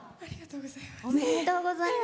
おめでとうございます。